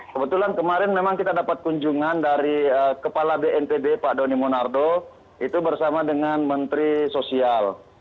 kebetulan kemarin memang kita dapat kunjungan dari kepala bnpb pak doni monardo itu bersama dengan menteri sosial